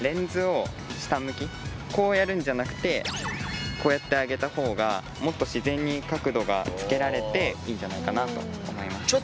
こうやるんじゃなくてこうやってあげた方がもっと自然に角度がつけられていいんじゃないかなと思います。